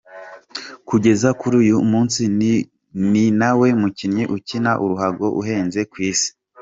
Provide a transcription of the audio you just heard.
Kugeza kuri uyu munsi ni nawe mukinnyi ukina ruhago uhenze ku isi.